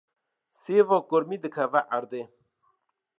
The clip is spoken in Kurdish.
Sêva kurmî dikeve erdê.